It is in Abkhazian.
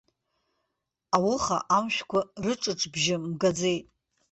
Ауха амшәқәа рыҿыҿбжьы мгаӡеит.